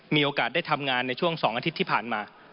มีโอกาสได้ทำงานในช่วง๒อาทิตย์ที่ผ่านมา